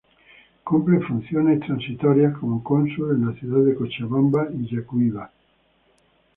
Cumple funciones transitorios como Cónsul en la ciudad de Cochabamba y Yacuiba.